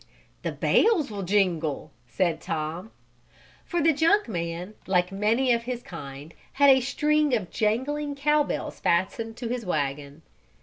"The bells will jingle," said Tom. For the junk man, like many of his kind, had a string of jangling cowbells fastened to his wagon.